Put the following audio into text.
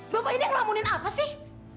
bapak ini yang ngelamunin apa sih